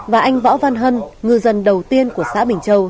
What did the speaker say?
và anh võ văn hân ngư dân đầu tiên của xã bình châu